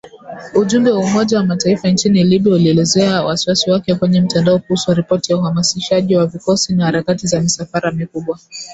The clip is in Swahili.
Ujumbe wa Umoja wa Mataifa nchini Libya ulielezea wasiwasi wake kwenye mtandao kuhusu ripoti ya uhamasishaji wa vikosi na harakati za misafara mikubwa